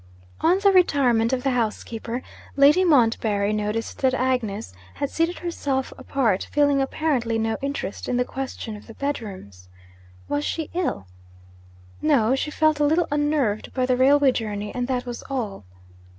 On the retirement of the housekeeper, Lady Montbarry noticed that Agnes had seated herself apart, feeling apparently no interest in the question of the bedrooms. Was she ill? No; she felt a little unnerved by the railway journey, and that was all.